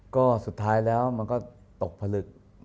ก็สุดท้ายแล้วมันก็ตกผลึก